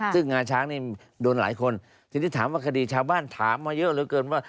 ซึ่งงาช้างนี่โดนหลายคนทีนี้ถามว่าคดีชาวบ้านถามมาเยอะเหลือเกินว่า